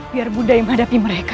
biar bunda yang menghadapi mereka